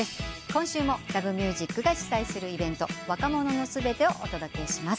今週も『Ｌｏｖｅｍｕｓｉｃ』が主催するイベント若者のすべてをお届けします。